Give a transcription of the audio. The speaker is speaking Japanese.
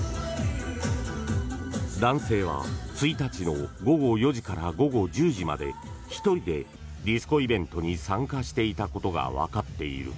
男性は１日の午後４時から午後１０時まで１人でディスコイベントに参加していたことがわかっている。